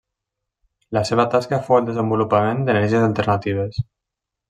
La seva tasca fou el desenvolupament d'energies alternatives.